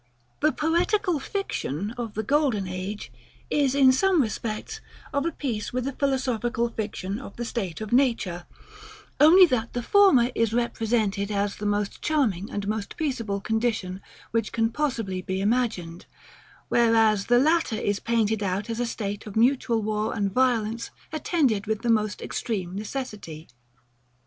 This POETICAL fiction of the GOLDEN AGE, is in some respects, of a piece with the PHILOSOPHICAL fiction of the STATE OF NATURE; only that the former is represented as the most charming and most peaceable condition, which can possibly be imagined; whereas the latter is painted out as a state of mutual war and violence, attended with the most extreme necessity.